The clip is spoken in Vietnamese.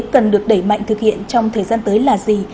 cần được đẩy mạnh thực hiện trong thời gian tới là gì